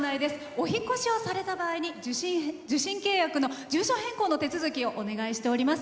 お引っ越しをされた場合に受信契約の住所変更の手続きをお願いしています。